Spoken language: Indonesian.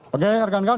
oke hargangan sudah